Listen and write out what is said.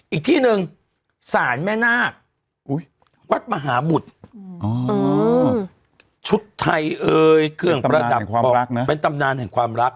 อีกที่หนึ่งสารแม่นาควัดมหาบุตรชุดไทยเอ่ยเครื่องประดับความรักนะเป็นตำนานแห่งความรัก